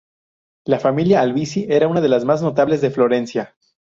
La familia Albizzi era una de las más notables de Florencia.